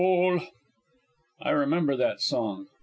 I remember that song.